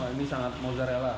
wah ini sangat mozzarella